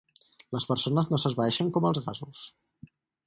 Les persones no s'esvaeixen com els gasos.